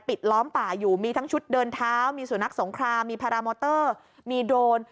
ล้อมป่าอยู่มีทั้งชุดเดินเท้ามีสุนัขสงครามมีพารามอเตอร์มีโดรน